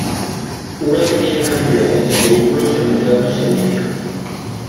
Una pequeña cantidad de estos vehículos han entrado en servicio.